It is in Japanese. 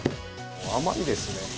甘いですね。